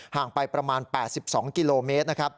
ห่างไปประมาณ๘๒กิโลเมตร